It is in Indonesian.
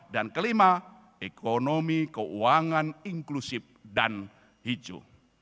kelima ekonomi keuangan inklusif dan hijau